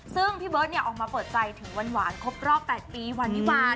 ซึ่งพี่เบิร์ตออกมาเปิดใจถึงวันหวานครบรอบ๘ปีวันวิวา